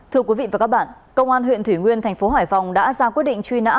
thưa quý vị và các bạn công an huyện thủy nguyên thành phố hải phòng đã ra quyết định truy nã